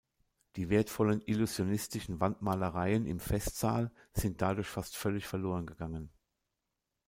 Die wertvollen illusionistischen Wandmalereien im Festsaal sind dadurch fast völlig verloren gegangen.